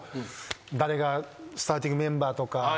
誰がスターティングメンバーとか。